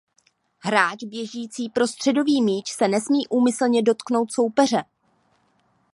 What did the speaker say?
Hráč běžící pro středový míč se nesmí úmyslně dotknout soupeře.